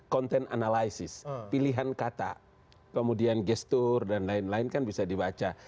konten analisis pilihan kata kemudian gestur dan lain lain kan bisa dibaca